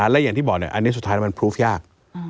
และอย่างที่บอกอันนี้สุดท้ายมันพลูฟยาก